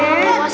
yang lain mas